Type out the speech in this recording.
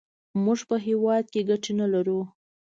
موږ په هېواد کې ګټې نه لرو.